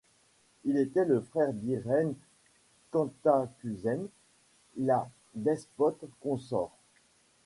Il était le frère d’Irène Cantacuzène, la despote consort.